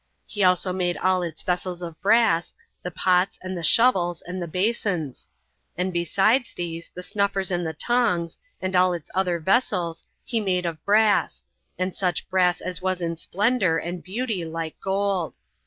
He also made all its vessels of brass, the pots, and the shovels, and the basons; and besides these, the snuffers and the tongs, and all its other vessels, he made of brass, and such brass as was in splendor and beauty like gold.